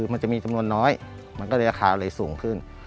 มันจะมีจำนวนน้อยมันก็เลยราคาอะไรสูงขึ้น